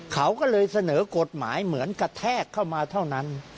เขาก็เลยเสนอกฎหมายเหมือนกระแทกเข้ามาเท่านั้น